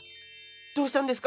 どうしたんですか？